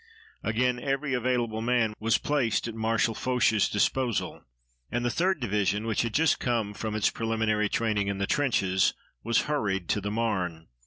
Again every available man was placed at Marshal Foch's disposal, and the 3d Division, which had just come from its preliminary training in the trenches, was hurried to the Marne.